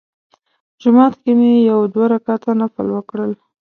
جومات کې مې یو دوه رکعته نفل وکړل.